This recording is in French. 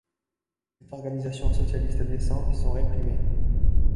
Les organisations socialistes naissantes sont réprimées.